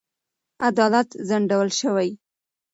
عدالت ځنډول شوی.